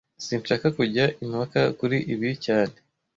Sinshaka kujya impaka kuri ibi cyane